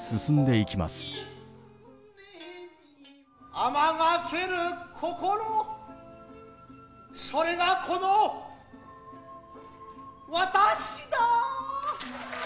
天翔ける心、それがこの私だ。